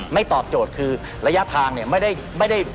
ตอบโจทย์คือระยะทางเนี่ยไม่ได้